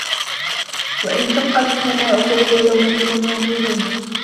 وَانْشَقَّتِ السَّمَاءُ فَهِيَ يَوْمَئِذٍ وَاهِيَةٌ